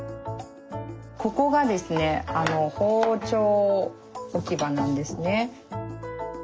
ここがですね包丁置き場なんですね。